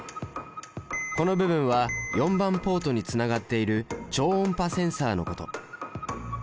この部分は４番ポートにつながっている超音波センサのこと。